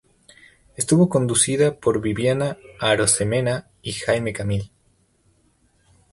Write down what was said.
Estuvo conducida por Viviana Arosemena y Jaime Camil.